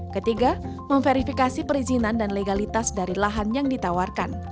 ketiga memverifikasi perizinan dan legalitas dari lahan yang ditawarkan